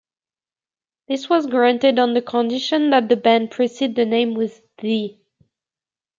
This was granted on the condition that the band precede the name with "The".